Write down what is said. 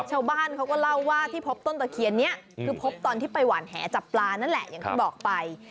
ชาวบ้านเขาก็เล่าว่าที่พบต้นตะเคียนนี้คือพบตอนที่ไปหวานแหจับปลานั่นแหละอย่างที่บอกไป